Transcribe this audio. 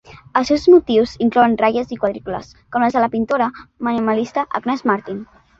Els seus motius inclouen ratlles i quadrícules com les de la pintora minimalista Agnes Martin.